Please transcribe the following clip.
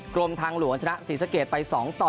กรมทางหลวงชนะศรีสะเกดไป๒ต่อ๑